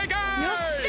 よっしゃ！